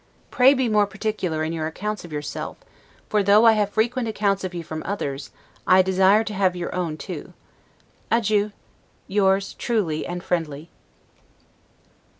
Pray be more particular in your accounts of yourself, for though I have frequent accounts of you from others, I desire to have your own too. Adieu. Yours, truly and friendly.